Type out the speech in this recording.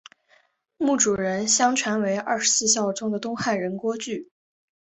墓主人相传为二十四孝中的东汉人郭巨。